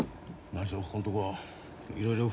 何しろ